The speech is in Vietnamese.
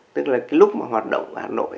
tức là cái lúc mà hoạt động hà nội